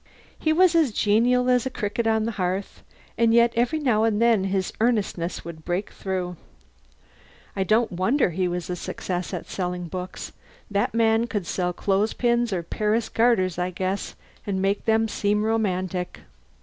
He was as genial as a cricket on the hearth, and yet every now and then his earnestness would break through. I don't wonder he was a success at selling books. That man could sell clothes pins or Paris garters, I guess, and make them seem romantic.